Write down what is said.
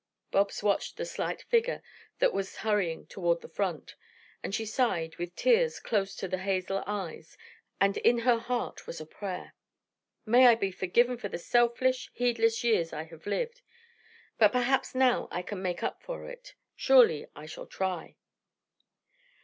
Bobs watched the slight figure that was hurrying toward the front, and she sighed, with tears close to the hazel eyes, and in her heart was a prayer, "May I be forgiven for the selfish, heedless years I have lived. But perhaps now I can make up for it. Surely I shall try."